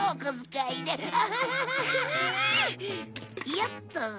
よっと。